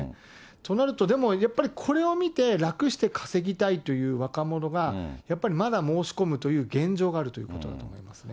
となると、でも、やっぱりこれを見て、楽して稼ぎたいという若者が、やっぱりまだ申し込むという現状があるということなんですね。